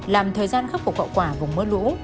làm thời gian khắc phục hậu quả vùng mưa lũ